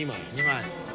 ２枚。